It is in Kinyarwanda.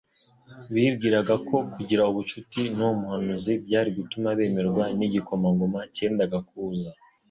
Bibwiraga ko kugira ubucuti n'uwo muhanuzi byari gutuma bemerwa n'igikomangoma cyendaga kuza.